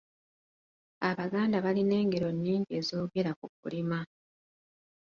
Abaganda balina engero nnyigi ezoogera ku kulima.